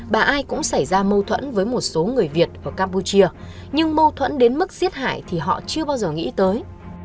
bà ai cũng xảy ra mâu thuẫn với một số người việt ở campuchia nhưng mâu thuẫn đến mức giết hại thì họ chưa bao giờ nghĩ tới